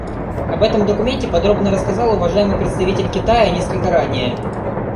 Об этом документе подробно рассказал уважаемый представитель Китая несколько ранее.